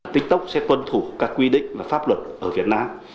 tiktok sẽ tuân thủ các quy định và pháp luật ở việt nam